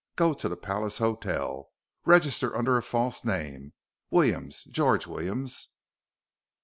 Go to the Palace Hotel. Register under a false name Williams, George Williams.